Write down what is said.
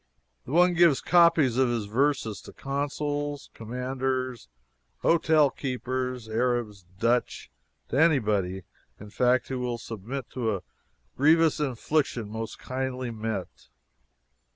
The one gives copies of his verses to consuls, commanders, hotel keepers, Arabs, Dutch to anybody, in fact, who will submit to a grievous infliction most kindly meant.